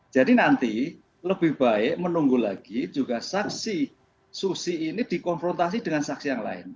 jadi nanti lebih baik menunggu lagi juga saksi susi ini dikonfrontasi dengan saksi yang lain